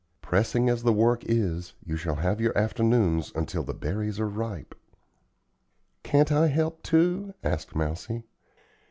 Pressing as the work is, you shall have your afternoons until the berries are ripe." "Can't I help, too?" asked Mousie.